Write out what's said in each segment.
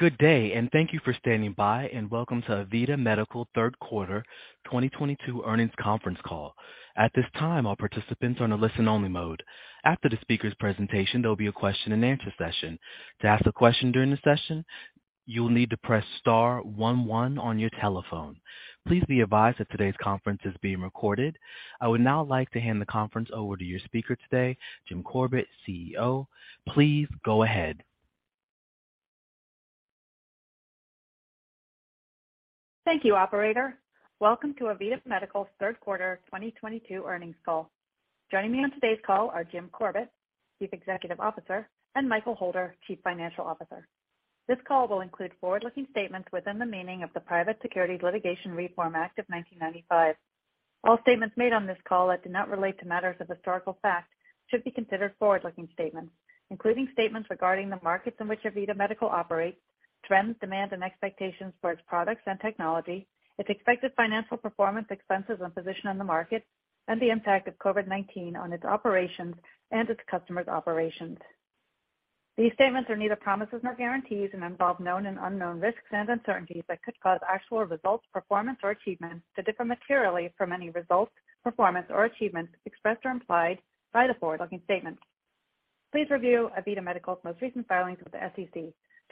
Good day, and thank you for standing by, and welcome to AVITA Medical Third Quarter 2022 Earnings Conference Call. At this time, all participants are in a listen-only mode. After the speaker's presentation, there'll be a question-and-answer session. To ask a question during the session, you will need to press star one one on your telephone. Please be advised that today's conference is being recorded. I would now like to hand the conference over to your speaker today, Jim Corbett, CEO. Please go ahead. Thank you, operator. Welcome to AVITA Medical's third quarter 2022 earnings call. Joining me on today's call are Jim Corbett, Chief Executive Officer, and Michael Holder, Chief Financial Officer. This call will include forward-looking statements within the meaning of the Private Securities Litigation Reform Act of 1995. All statements made on this call that do not relate to matters of historical fact should be considered forward-looking statements, including statements regarding the markets in which AVITA Medical operates, trends, demand, and expectations for its products and technology, its expected financial performance, expenses, and position in the market, and the impact of COVID-19 on its operations and its customers' operations. These statements are neither promises nor guarantees and involve known and unknown risks and uncertainties that could cause actual results, performance, or achievements to differ materially from any results, performance, or achievements expressed or implied by the forward-looking statements. Please review AVITA Medical's most recent filings with the SEC,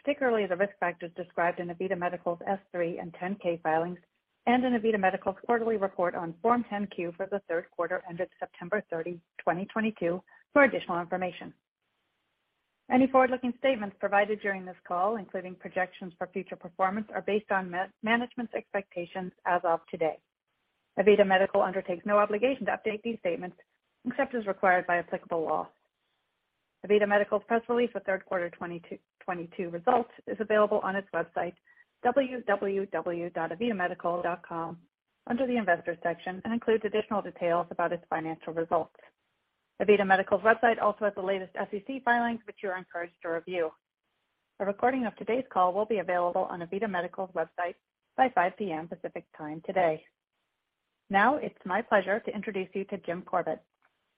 particularly the risk factors described in AVITA Medical's S-3 and 10-K filings, and in AVITA Medical's quarterly report on Form 10-Q for the third quarter ended September 30, 2022 for additional information. Any forward-looking statements provided during this call, including projections for future performance, are based on management's expectations as of today. AVITA Medical undertakes no obligation to update these statements except as required by applicable law. AVITA Medical's press release for third quarter 2022 results is available on its website, www.avitamedical.com, under the investor section, and includes additional details about its financial results. AVITA Medical's website also has the latest SEC filings, which you are encouraged to review. A recording of today's call will be available on AVITA Medical's website by 5 P.M. Pacific Time today. Now it's my pleasure to introduce you to Jim Corbett.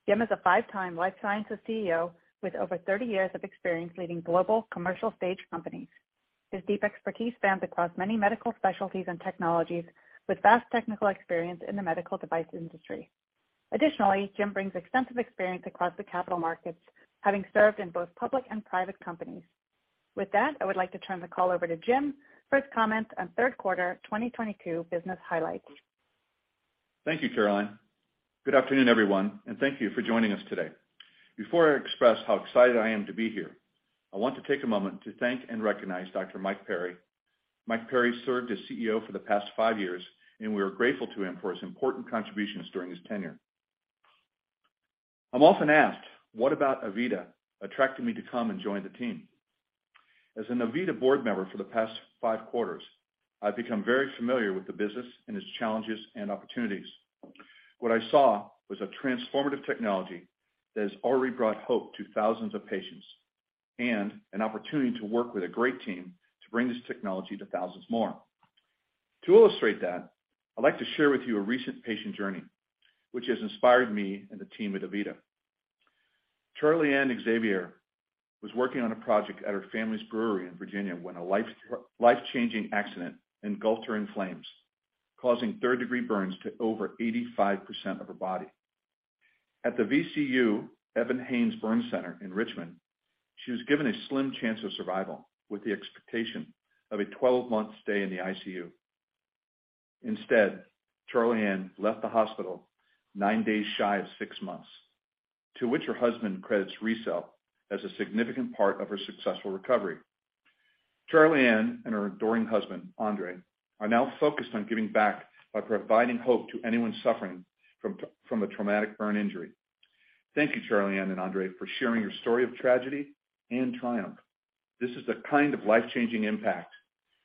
Jim is a 5-time life sciences CEO with over 30 years of experience leading global commercial stage companies. His deep expertise spans across many medical specialties and technologies with vast technical experience in the medical device industry. Additionally, Jim brings extensive experience across the capital markets, having served in both public and private companies. With that, I would like to turn the call over to Jim for his comments on third quarter 2022 business highlights. Thank you, Caroline. Good afternoon, everyone, and thank you for joining us today. Before I express how excited I am to be here, I want to take a moment to thank and recognize Dr. Mike Perry. Mike Perry served as CEO for the past five years, and we are grateful to him for his important contributions during his tenure. I'm often asked what about AVITA attracted me to come and join the team. As an AVITA board member for the past five quarters, I've become very familiar with the business and its challenges and opportunities. What I saw was a transformative technology that has already brought hope to thousands of patients and an opportunity to work with a great team to bring this technology to thousands more. To illustrate that, I'd like to share with you a recent patient journey which has inspired me and the team at AVITA. Charlie Anne Xavier was working on a project at her family's brewery in Virginia when a life-changing accident engulfed her in flames, causing third-degree burns to over 85% of her body. At the VCU Health Evans-Haynes Burn Center in Richmond, she was given a slim chance of survival with the expectation of a 12-month stay in the ICU. Instead, Charlie Anne left the hospital nine days shy of six months, to which her husband credits RECELL as a significant part of their successful recovery. Charlie Anne and her adoring husband, Andre, are now focused on giving back by providing hope to anyone suffering from a traumatic burn injury. Thank you, Charlie Anne and Andre, for sharing your story of tragedy and triumph. This is the kind of life-changing impact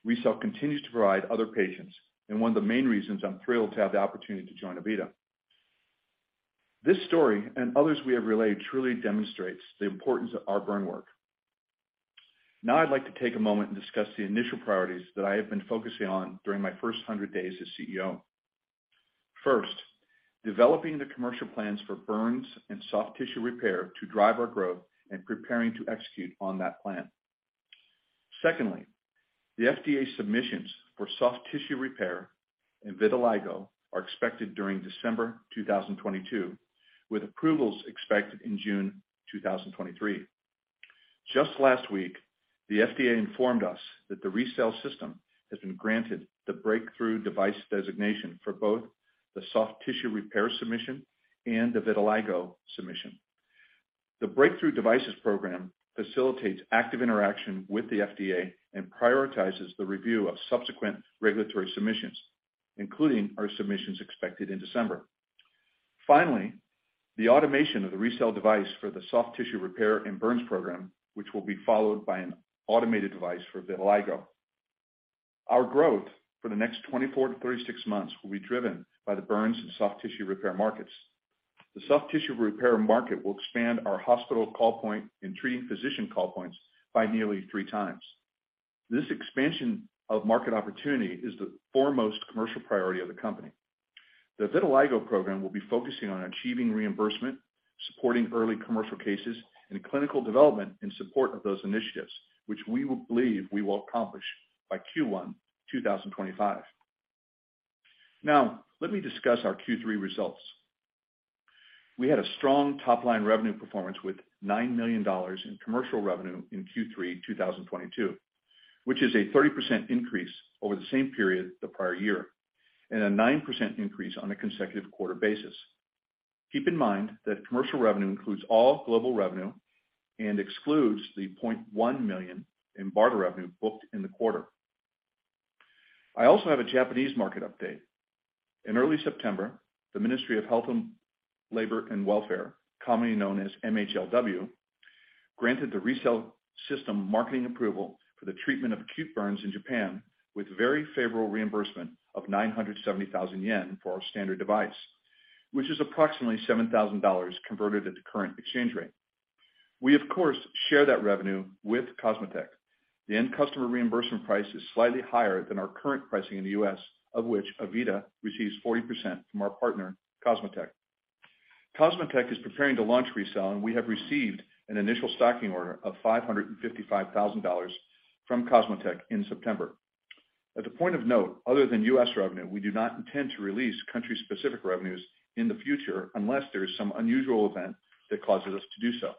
RECELL continues to provide other patients, and one of the main reasons I'm thrilled to have the opportunity to join AVITA. This story and others we have relayed truly demonstrates the importance of our burn work. Now I'd like to take a moment and discuss the initial priorities that I have been focusing on during my first 100 days as CEO. First, developing the commercial plans for burns and soft tissue repair to drive our growth and preparing to execute on that plan. Secondly, the FDA submissions for soft tissue repair and vitiligo are expected during December 2022, with approvals expected in June 2023. Just last week, the FDA informed us that the RECELL System has been granted the Breakthrough Device designation for both the soft tissue repair submission and the vitiligo submission. The Breakthrough Devices Program facilitates active interaction with the FDA and prioritizes the review of subsequent regulatory submissions, including our submissions expected in December. Finally, the automation of the RECELL device for the soft tissue repair and burns program, which will be followed by an automated device for vitiligo. Our growth for the next 24-36 months will be driven by the burns and soft tissue repair markets. The soft tissue repair market will expand our hospital call point and treating physician call points by nearly 3 times. This expansion of market opportunity is the foremost commercial priority of the company. The vitiligo program will be focusing on achieving reimbursement, supporting early commercial cases, and clinical development in support of those initiatives, which we believe we will accomplish by Q1 2025. Now, let me discuss our Q3 results. We had a strong top-line revenue performance with $9 million in commercial revenue in Q3 2022, which is a 30% increase over the same period the prior year, and a 9% increase on a consecutive quarter basis. Keep in mind that commercial revenue includes all global revenue and excludes the $0.1 million in barter revenue booked in the quarter. I also have a Japanese market update. In early September, the Ministry of Health, Labour and Welfare, commonly known as MHLW, granted the RECELL System marketing approval for the treatment of acute burns in Japan with very favorable reimbursement of 970,000 yen for our standard device, which is approximately $7,000 converted at the current exchange rate. We of course share that revenue with COSMOTEC. The end customer reimbursement price is slightly higher than our current pricing in the U.S., of which AVITA receives 40% from our partner, COSMOTEC. COSMOTEC is preparing to launch RECELL, and we have received an initial stocking order of $555,000 from COSMOTEC in September. As a point of note, other than U.S. revenue, we do not intend to release country-specific revenues in the future unless there is some unusual event that causes us to do so.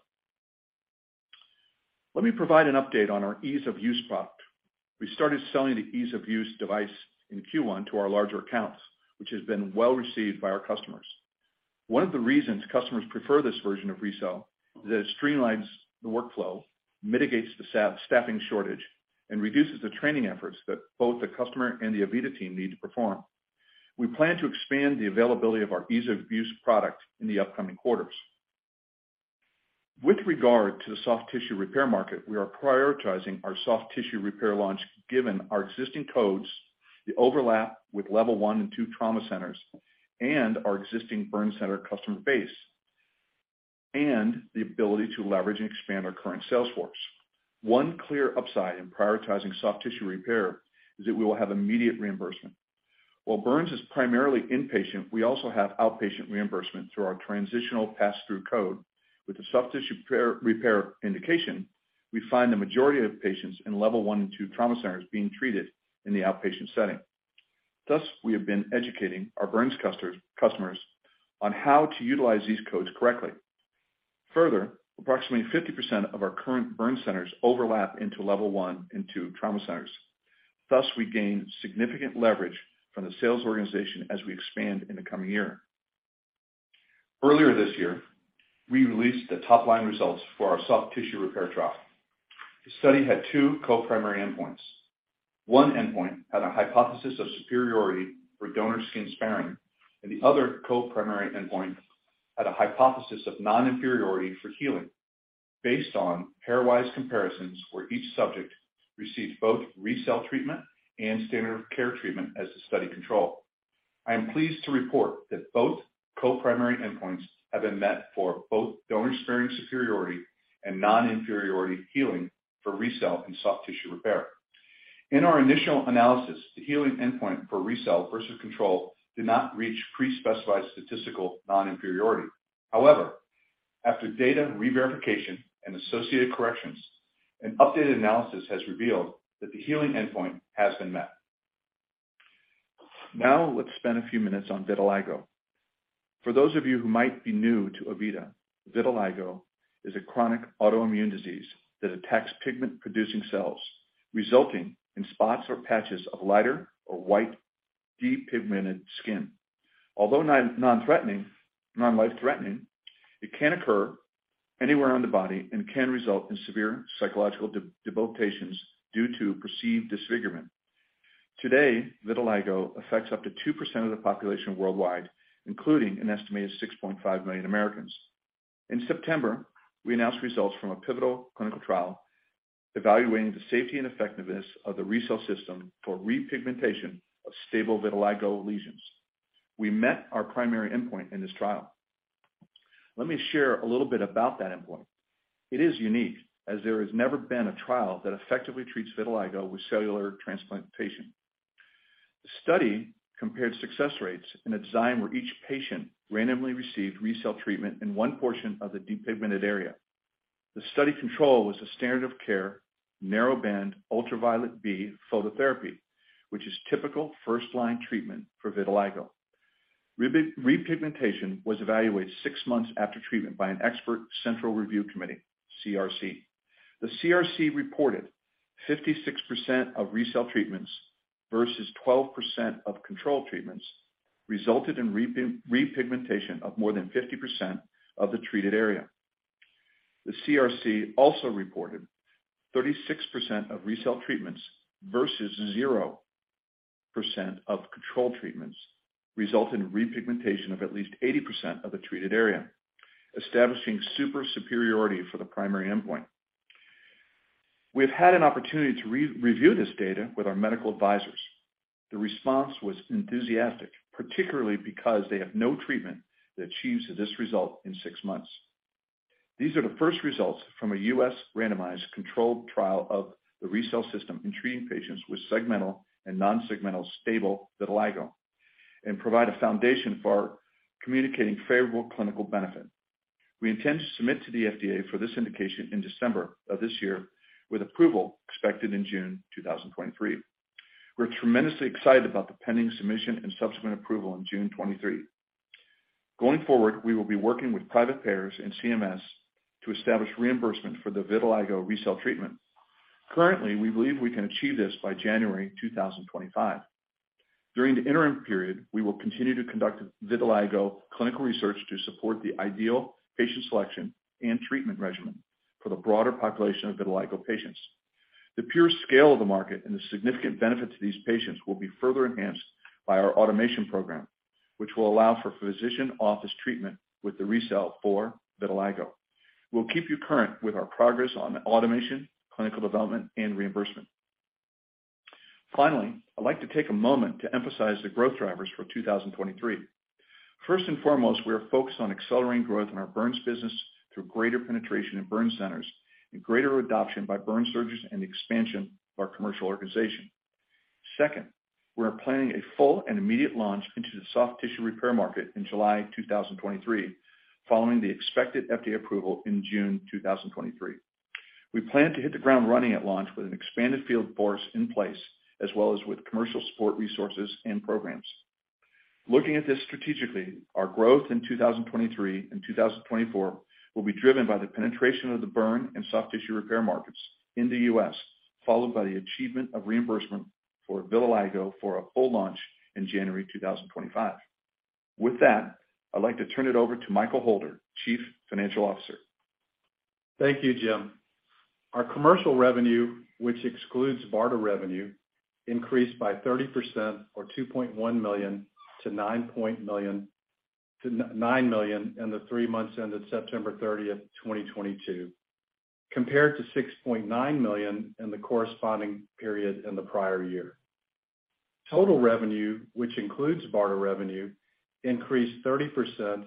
Let me provide an update on our ease-of-use product. We started selling the ease-of-use device in Q1 to our larger accounts, which has been well received by our customers. One of the reasons customers prefer this version of RECELL is that it streamlines the workflow, mitigates the RN-staffing shortage, and reduces the training efforts that both the customer and the AVITA team need to perform. We plan to expand the availability of our ease-of-use product in the upcoming quarters. With regard to the soft tissue repair market, we are prioritizing our soft tissue repair launch given our existing codes, the overlap with level 1 and 2 trauma centers, and our existing burn center customer base, and the ability to leverage and expand our current sales force. One clear upside in prioritizing soft tissue repair is that we will have immediate reimbursement. While burns is primarily inpatient, we also have outpatient reimbursement through our transitional pass-through code. With the soft tissue repair indication, we find the majority of patients in level 1 and 2 trauma centers being treated in the outpatient setting. Thus, we have been educating our burns customers on how to utilize these codes correctly. Further, approximately 50% of our current burn centers overlap into level 1 and 2 trauma centers. Thus, we gain significant leverage from the sales organization as we expand in the coming year. Earlier this year, we released the top-line results for our soft tissue repair trial. The study had two co-primary endpoints. One endpoint had a hypothesis of superiority for donor skin sparing, and the other co-primary endpoint had a hypothesis of non-inferiority for healing based on pairwise comparisons where each subject received both RECELL treatment and standard of care treatment as the study control. I am pleased to report that both co-primary endpoints have been met for both donor sparing superiority and non-inferiority healing for RECELL and soft tissue repair. In our initial analysis, the healing endpoint for RECELL versus control did not reach pre-specified statistical non-inferiority. However, after data reverification and associated corrections, an updated analysis has revealed that the healing endpoint has been met. Now let's spend a few minutes on vitiligo. For those of you who might be new to AVITA, vitiligo is a chronic autoimmune disease that attacks pigment-producing cells, resulting in spots or patches of lighter or white depigmented skin. Although non-life-threatening, it can occur anywhere on the body and can result in severe psychological debilitations due to perceived disfigurement. Today, vitiligo affects up to 2% of the population worldwide, including an estimated 6.5 million Americans. In September, we announced results from a pivotal clinical trial evaluating the safety and effectiveness of the RECELL System for repigmentation of stable vitiligo lesions. We met our primary endpoint in this trial. Let me share a little bit about that endpoint. It is unique, as there has never been a trial that effectively treats vitiligo with cellular transplantation. The study compared success rates in a design where each patient randomly received RECELL treatment in one portion of the depigmented area. The study control was a standard of care narrowband ultraviolet B phototherapy, which is typical first-line treatment for vitiligo. RECELL repigmentation was evaluated six months after treatment by an expert central review committee, CRC. The CRC reported 56% of RECELL treatments versus 12% of control treatments resulted in repigmentation of more than 50% of the treated area. The CRC also reported 36% of RECELL treatments versus 0% of control treatments result in repigmentation of at least 80% of the treated area, establishing superiority for the primary endpoint. We have had an opportunity to re-review this data with our medical advisors. The response was enthusiastic, particularly because they have no treatment that achieves this result in six months. These are the first results from a U.S. randomized controlled trial of the RECELL System in treating patients with segmental and non-segmental stable vitiligo, and provide a foundation for communicating favorable clinical benefit. We intend to submit to the FDA for this indication in December of this year, with approval expected in June 2023. We're tremendously excited about the pending submission and subsequent approval in June 2023. Going forward, we will be working with private payers and CMS to establish reimbursement for the vitiligo RECELL treatment. Currently, we believe we can achieve this by January 2025. During the interim period, we will continue to conduct vitiligo clinical research to support the ideal patient selection and treatment regimen for the broader population of vitiligo patients. The pure scale of the market and the significant benefit to these patients will be further enhanced by our automation program, which will allow for physician office treatment with the RECELL for vitiligo. We'll keep you current with our progress on automation, clinical development, and reimbursement. Finally, I'd like to take a moment to emphasize the growth drivers for 2023. First and foremost, we are focused on accelerating growth in our burns business through greater penetration in burn centers, and greater adoption by burn surgeons and expansion of our commercial organization. Second, we are planning a full and immediate launch into the soft tissue repair market in July 2023, following the expected FDA approval in June 2023. We plan to hit the ground running at launch with an expanded field force in place, as well as with commercial support resources and programs. Looking at this strategically, our growth in 2023 and 2024 will be driven by the penetration of the burn and soft tissue repair markets in the US, followed by the achievement of reimbursement for vitiligo for a full launch in January 2025. With that, I'd like to turn it over to Michael Holder, Chief Financial Officer. Thank you, Jim. Our commercial revenue, which excludes BARDA revenue, increased by 30% or $2.1 million to 9 million in the three months ended September 30, 2022, compared to $6.9 million in the corresponding period in the prior year. Total revenue, which includes BARDA revenue, increased 30%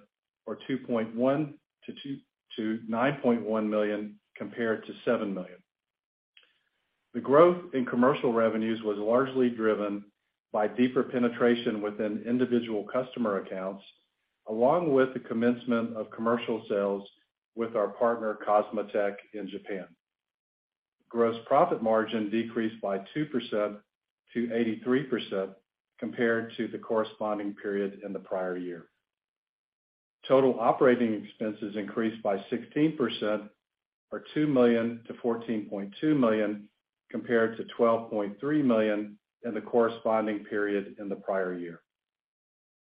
or $2.1 million to 9.1 million, compared to $7 million. The growth in commercial revenues was largely driven by deeper penetration within individual customer accounts, along with the commencement of commercial sales with our partner COSMOTEC in Japan. Gross profit margin decreased by 2% to 83% compared to the corresponding period in the prior year. Total operating expenses increased by 16% or $2 million to 14.2 million, compared to $12.3 million in the corresponding period in the prior year.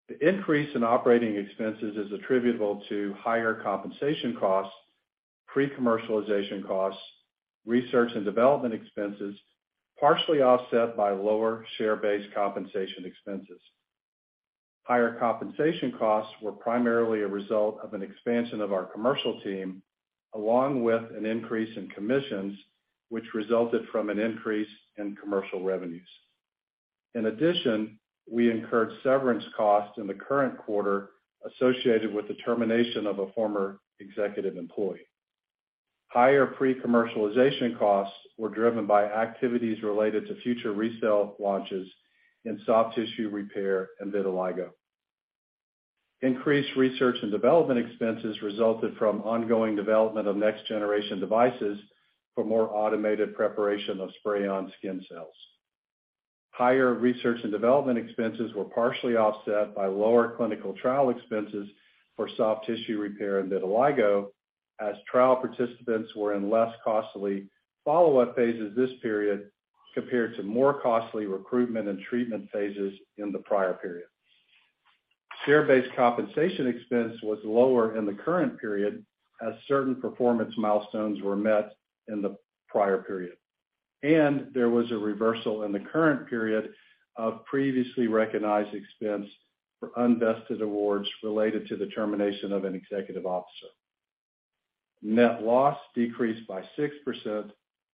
The increase in operating expenses is attributable to higher compensation costs, pre-commercialization costs, research and development expenses, partially offset by lower share-based compensation expenses. Higher compensation costs were primarily a result of an expansion of our commercial team, along with an increase in commissions which resulted from an increase in commercial revenues. In addition, we incurred severance costs in the current quarter associated with the termination of a former executive employee. Higher pre-commercialization costs were driven by activities related to future RECELL launches in soft tissue repair and vitiligo. Increased research and development expenses resulted from ongoing development of next generation devices for more automated preparation of Spray-On Skin Cells. Higher research and development expenses were partially offset by lower clinical trial expenses for soft tissue repair and vitiligo, as trial participants were in less costly follow-up phases this period compared to more costly recruitment and treatment phases in the prior period. Share-based compensation expense was lower in the current period as certain performance milestones were met in the prior period, and there was a reversal in the current period of previously recognized expense for unvested awards related to the termination of an executive officer. Net loss decreased by 6%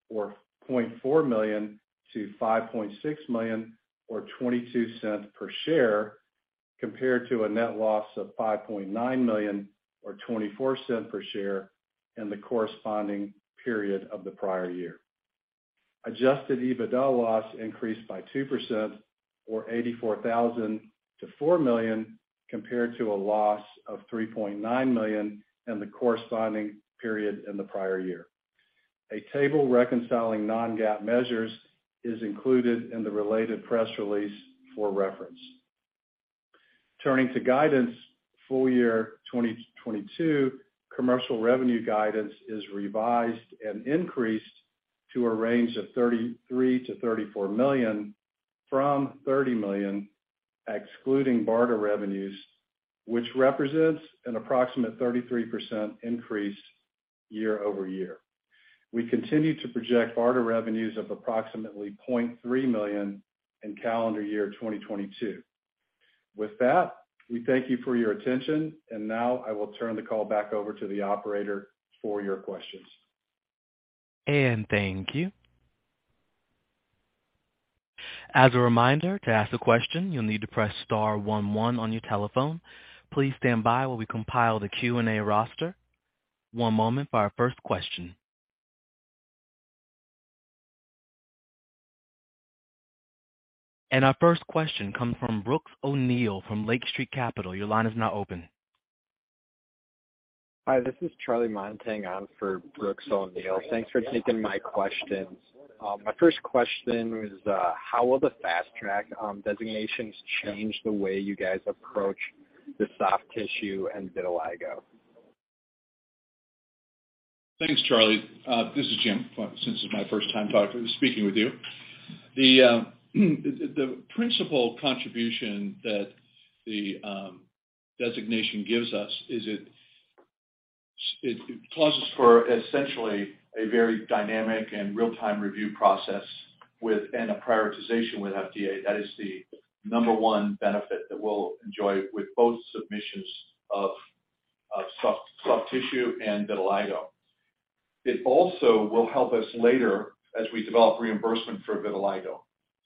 or $0.4 million to 5.6 million or 0.22 per share, compared to a net loss of $5.9 million or 0.24 per share in the corresponding period of the prior year. Adjusted EBITDA loss increased by 2% or $84,000 to 4 million, compared to a loss of $3.9 million in the corresponding period in the prior year. A table reconciling non-GAAP measures is included in the related press release for reference. Turning to guidance, full year 2022 commercial revenue guidance is revised and increased to a range of $33 million-34 million from $30 million, excluding BARDA revenues, which represents an approximate 33% increase year-over-year. We continue to project BARDA revenues of approximately $0.3 million in calendar year 2022. With that, we thank you for your attention, and now I will turn the call back over to the operator for your questions. Thank you. As a reminder, to ask a question, you'll need to press star one one on your telephone. Please stand by while we compile the Q&A roster. One moment for our first question. Our first question comes from Brooks O'Neil from Lake Street Capital. Your line is now open. Hi, this is Charlie Montang. I'm for Brooks O'Neil. Thanks for taking my questions. My first question was, how will the fast track designations change the way you guys approach the soft tissue and vitiligo? Thanks, Charlie. This is Jim, since it's my first time speaking with you. The principal contribution that the designation gives us is it causes for essentially a very dynamic and real-time review process with, and a prioritization with FDA. That is the number one benefit that we'll enjoy with both submissions of soft tissue and vitiligo. It also will help us later as we develop reimbursement for vitiligo.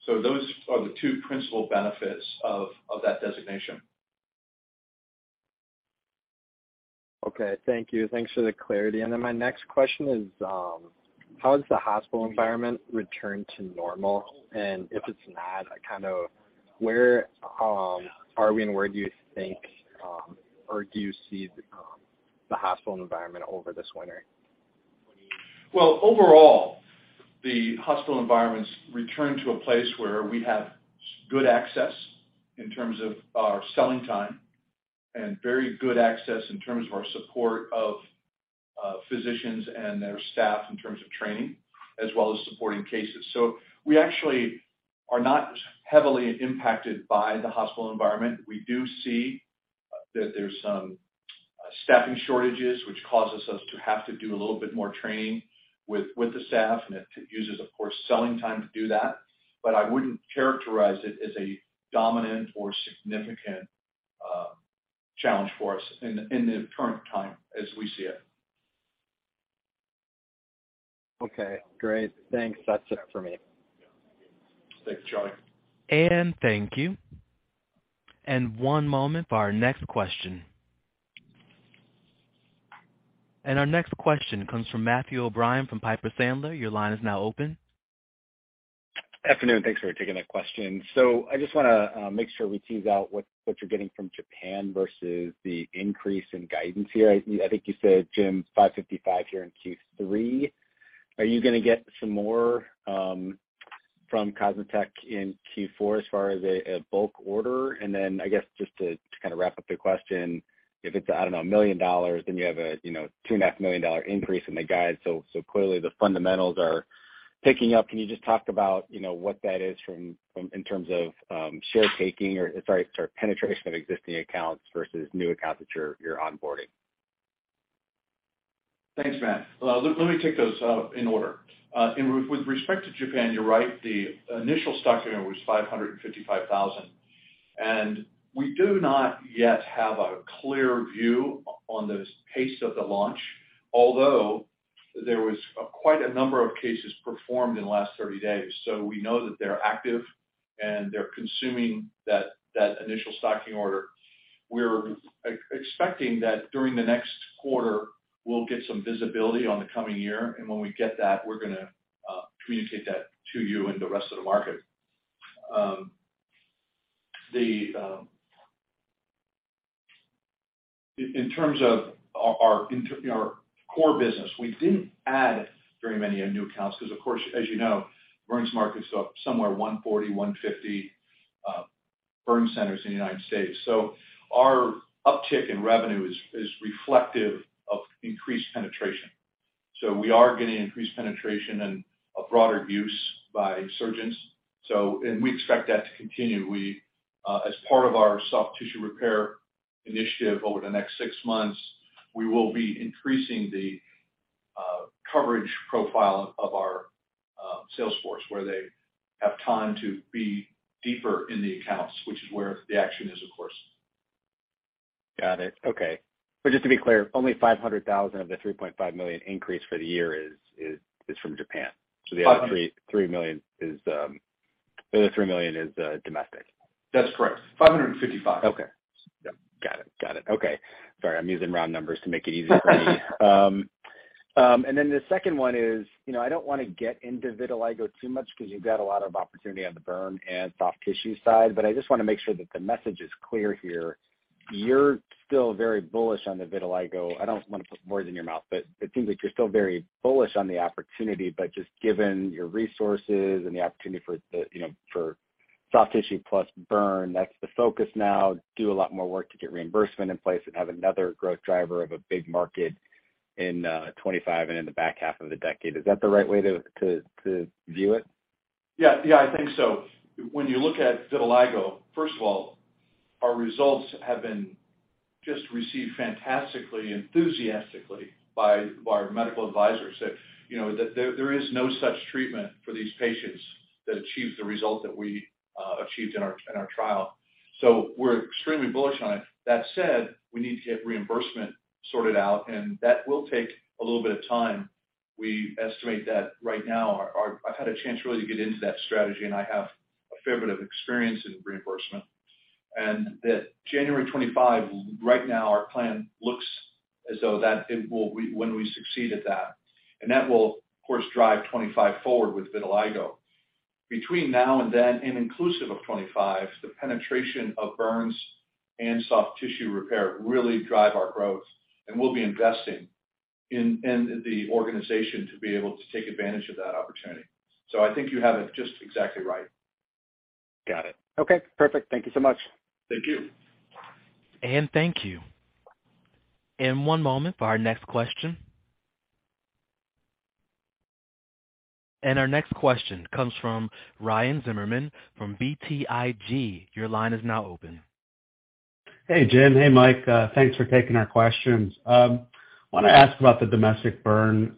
Those are the two principal benefits of that designation. Okay. Thank you. Thanks for the clarity. My next question is, how has the hospital environment returned to normal? If it's not, kind of where are we and where do you think, or do you see the hospital environment over this winter? Well, overall, the hospital environment's returned to a place where we have good access in terms of our selling time and very good access in terms of our support of, physicians and their staff in terms of training as well as supporting cases. We actually are not heavily impacted by the hospital environment. We do see that there's some staffing shortages, which causes us to have to do a little bit more training with the staff, and it uses, of course, selling time to do that. I wouldn't characterize it as a dominant or significant challenge for us in the current time as we see it. Okay, great. Thanks. That's it for me. Thanks, Charlie. Thank you. One moment for our next question. Our next question comes from Matthew O'Brien from Piper Sandler. Your line is now open. Afternoon. Thanks for taking the question. I just wanna make sure we tease out what's what you're getting from Japan versus the increase in guidance here. I think you said, Jim, 555 here in Q3. Are you gonna get some more from COSMOTEC in Q4 as far as a bulk order? Then I guess just to kind of wrap up the question, if it's, I don't know, $1 million, then you have, you know, $2.5 million increase in the guide. Clearly the fundamentals are picking up. Can you just talk about, you know, what that is from in terms of share taking or sorry, penetration of existing accounts versus new accounts that you're onboarding? Thanks, Matt. Let me take those in order. With respect to Japan, you're right, the initial stocking order was 555 thousand. We do not yet have a clear view on the pace of the launch, although there was quite a number of cases performed in the last 30 days. We know that they're active, and they're consuming that initial stocking order. We're expecting that during the next quarter, we'll get some visibility on the coming year, and when we get that, we're gonna communicate that to you and the rest of the market. In terms of our core business, we didn't add very many new accounts 'cause, of course, as you know, burns markets are somewhere 140-150 burn centers in the United States. Our uptick in revenue is reflective of increased penetration. We are getting increased penetration and a broader use by surgeons. We expect that to continue. We, as part of our soft tissue repair initiative over the next six months, we will be increasing the coverage profile of our sales force, where they have time to be deeper in the accounts, which is where the action is, of course. Got it. Okay. Just to be clear, only $500,000 of the $3.5 million increase for the year is from Japan. Five- The other $3 million is domestic. That's correct. $555,000. Okay. Yep. Got it. Okay. Sorry, I'm using round numbers to make it easy for me. The second one is, you know, I don't wanna get into vitiligo too much 'cause you've got a lot of opportunity on the burn and soft tissue side, but I just wanna make sure that the message is clear here. You're still very bullish on the vitiligo. I don't wanna put words in your mouth, but it seems like you're still very bullish on the opportunity, but just given your resources and the opportunity for the, you know, for soft tissue plus burn, that's the focus now. Do a lot more work to get reimbursement in place and have another growth driver of a big market in 2025 and in the back half of the decade. Is that the right way to view it? Yeah. Yeah, I think so. When you look at vitiligo, first of all, our results have been just received fantastically, enthusiastically by our medical advisors. That, you know, there is no such treatment for these patients that achieves the result that we achieved in our trial. We're extremely bullish on it. That said, we need to get reimbursement sorted out, and that will take a little bit of time. We estimate that right now. I've had a chance really to get into that strategy, and I have a fair bit of experience in reimbursement. That January 2025, right now, our plan looks as though it will when we succeed at that. That will of course drive 2025 forward with vitiligo. Between now and then, and inclusive of 2025, the penetration of burns and soft tissue repair really drive our growth, and we'll be investing in the organization to be able to take advantage of that opportunity. I think you have it just exactly right. Got it. Okay. Perfect. Thank you so much. Thank you. Thank you. One moment for our next question. Our next question comes from Ryan Zimmerman from BTIG. Your line is now open. Hey, Jim. Hey, Mike. Thanks for taking our questions. Want to ask about the domestic burn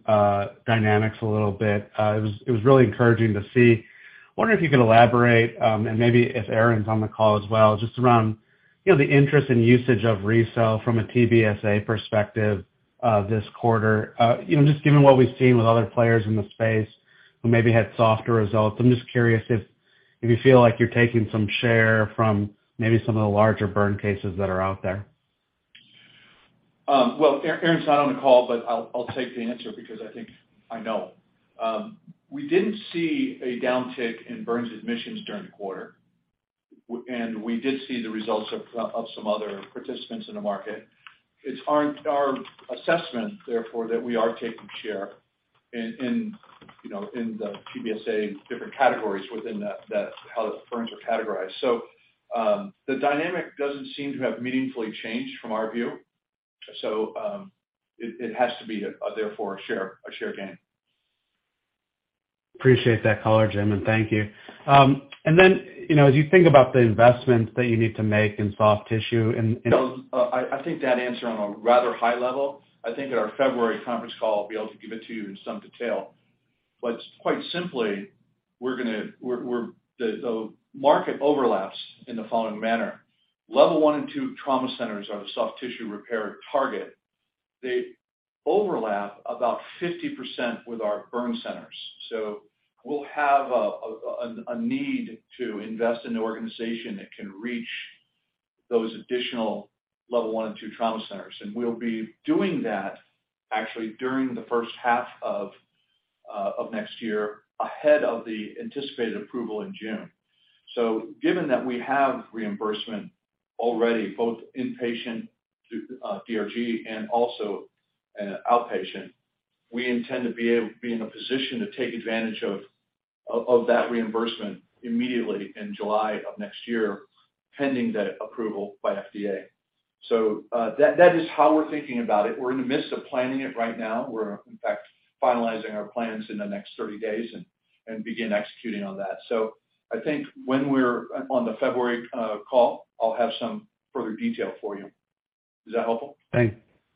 dynamics a little bit. It was really encouraging to see. Wondering if you could elaborate, and maybe if Aaron's on the call as well, just around, you know, the interest and usage of RECELL from a TBSA perspective, this quarter. You know, just given what we've seen with other players in the space who maybe had softer results, I'm just curious if you feel like you're taking some share from maybe some of the larger burn cases that are out there. Well, Aaron's not on the call, but I'll take the answer because I think I know. We didn't see a downtick in burns admissions during the quarter, and we did see the results of some other participants in the market. It's our assessment, therefore, that we are taking share in you know in the TBSA different categories within that how the burns are categorized. It has to be, therefore, a share gain. Appreciate that color, Jim, and thank you. You know, as you think about the investments that you need to make in soft tissue. I think that answer on a rather high level. I think at our February conference call, I'll be able to give it to you in some detail. But quite simply, the market overlaps in the following manner. Level one and two trauma centers are the soft tissue repair target. They overlap about 50% with our burn centers. We'll have a need to invest in an organization that can reach those additional Level one and two trauma centers. We'll be doing that actually during the first half of next year ahead of the anticipated approval in June. Given that we have reimbursement already, both inpatient DRG and also outpatient, we intend to be in a position to take advantage of that reimbursement immediately in July of next year, pending the approval by FDA. That is how we're thinking about it. We're in the midst of planning it right now. We're, in fact, finalizing our plans in the next 30 days and begin executing on that. I think when we're on the February call, I'll have some further detail for you. Is that helpful?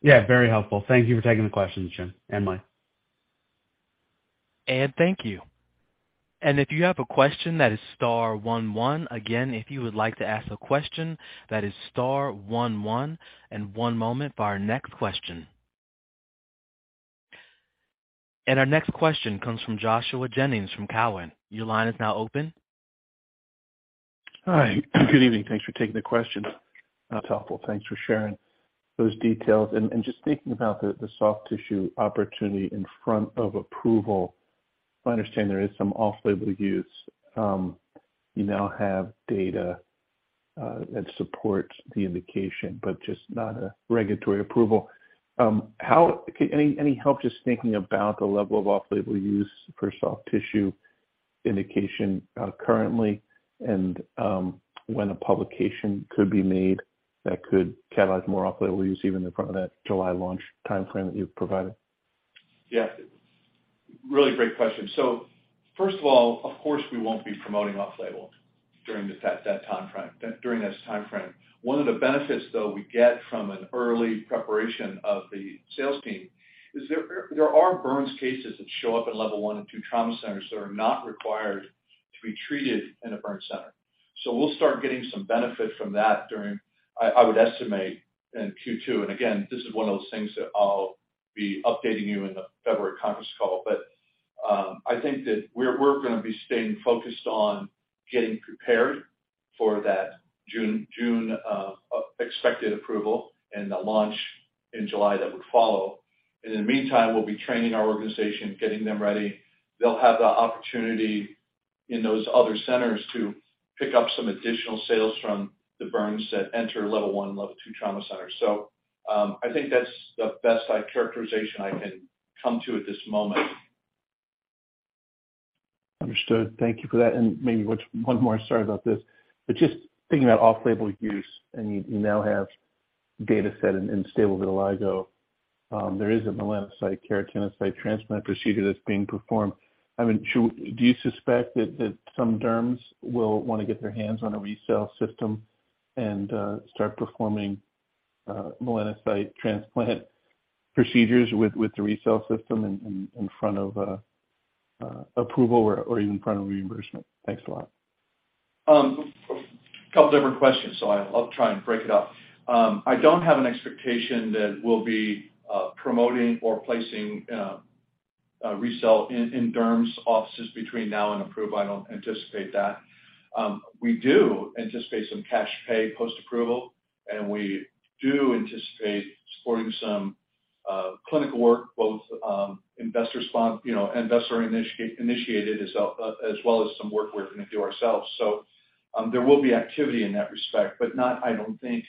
Yeah, very helpful. Thank you for taking the question, Jim and Mike. Thank you. If you have a question, that is star one one. Again, if you would like to ask a question, that is star one one. One moment for our next question. Our next question comes from Joshua Jennings from Cowen. Your line is now open. Hi. Good evening. Thanks for taking the question. That's helpful. Thanks for sharing those details. Just thinking about the soft tissue opportunity in front of approval, I understand there is some off-label use. You now have data that supports the indication, but just not a regulatory approval. Any help just thinking about the level of off-label use for soft tissue indication currently, and when a publication could be made that could catalyze more off-label use even in front of that July launch timeframe that you've provided? Yeah. Really great question. First of all, of course, we won't be promoting off-label during that timeframe. One of the benefits, though, we get from an early preparation of the sales team is there are burns cases that show up at level one and two trauma centers that are not required to be treated in a burn center. We'll start getting some benefit from that during. I would estimate in Q2. Again, this is one of those things that I'll be updating you in the February conference call. I think that we're gonna be staying focused on getting prepared for that June expected approval and the launch in July that would follow. In the meantime, we'll be training our organization, getting them ready. They'll have the opportunity in those other centers to pick up some additional sales from the burns that enter level one and level two trauma centers. I think that's the best characterization I can come to at this moment. Understood. Thank you for that. Maybe one more, sorry about this, but just thinking about off-label use, and you now have data set in stable vitiligo. There is a melanocyte-keratinocyte transplantation procedure that's being performed. I mean, do you suspect that some derms will wanna get their hands on a RECELL system and start performing a melanocyte transplant procedures with the RECELL system in front of approval or even in front of reimbursement? Thanks a lot. A couple different questions, so I'll try and break it up. I don't have an expectation that we'll be promoting or placing RECELL in derms offices between now and approval. I don't anticipate that. We do anticipate some cash pay post-approval, and we do anticipate supporting some clinical work, both investigator-initiated, you know, as well as some work we're gonna do ourselves. There will be activity in that respect, but I don't think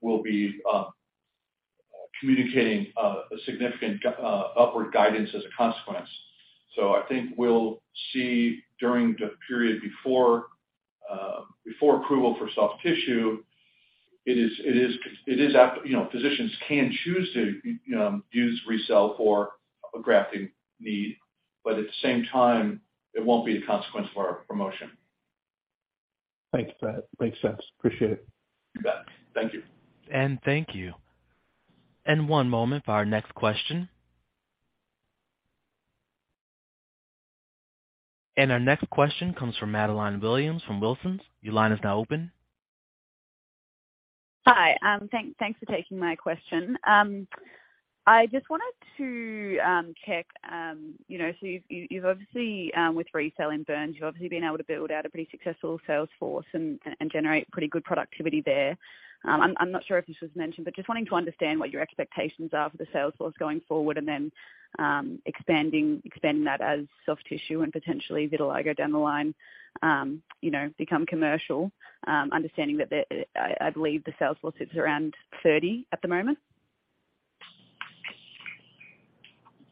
we'll be communicating a significant upward guidance as a consequence. I think we'll see during the period before approval for soft tissue. It is, you know, physicians can choose to, you know, use RECELL for a grafting need, but at the same time, it won't be a consequence of our promotion. Thanks for that. Makes sense. Appreciate it. You bet. Thank you. Thank you. One moment for our next question. Our next question comes from Madeleine Williams from Wilsons. Your line is now open. Hi. Thanks for taking my question. I just wanted to check, you know, so you've obviously with RECELL and burns, you've obviously been able to build out a pretty successful sales force and generate pretty good productivity there. I'm not sure if this was mentioned, but just wanting to understand what your expectations are for the sales force going forward and then expanding that as soft tissue and potentially vitiligo down the line, you know, become commercial. Understanding that I believe the sales force is around 30 at the moment?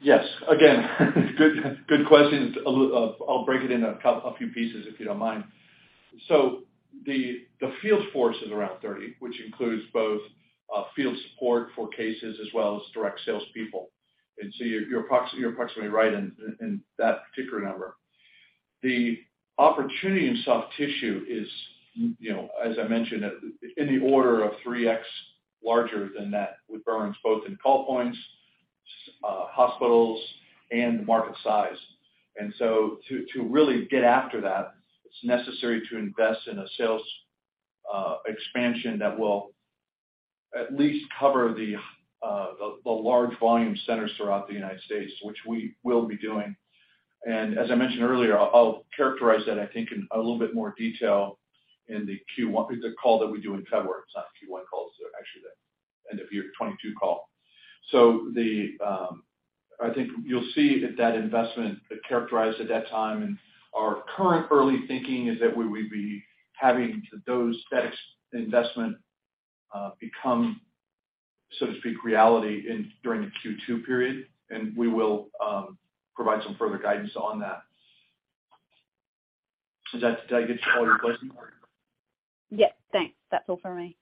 Yes. Again, good question. It's a few pieces, if you don't mind. The field force is around 30, which includes both field support for cases as well as direct salespeople. You're approximately right in that particular number. The opportunity in soft tissue is, you know, as I mentioned, in the order of 3x larger than that with burns, both in call points, hospitals, and market size. To really get after that, it's necessary to invest in a sales expansion that will at least cover the large volume centers throughout the United States, which we will be doing. As I mentioned earlier, I'll characterize that I think in a little bit more detail in the Q1. The call that we do in February. It's not a Q1 call, so actually the end-of-year 2022 call. I think you'll see that investment characterized at that time. Our current early thinking is that we would be having that investment become, so to speak, reality during the Q2 period, and we will provide some further guidance on that. Does that, did I get to all your questions? Yes. Thanks. That's all for me.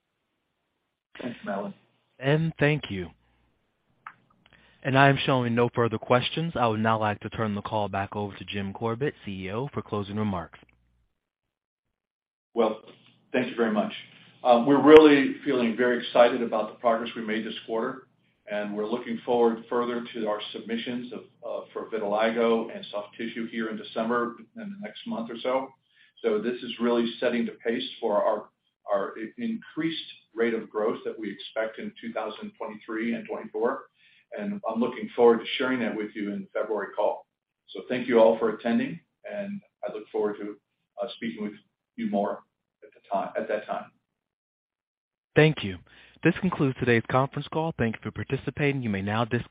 Thanks, Madeleine. Thank you. I am showing no further questions. I would now like to turn the call back over to Jim Corbett, CEO, for closing remarks. Well, thank you very much. We're really feeling very excited about the progress we made this quarter, and we're looking forward further to our submissions of for vitiligo and soft tissue here in December in the next month or so. This is really setting the pace for our increased rate of growth that we expect in 2023 and 2024. I'm looking forward to sharing that with you in the February call. Thank you all for attending, and I look forward to speaking with you more at that time. Thank you. This concludes today's conference call. Thank you for participating. You may now disconnect.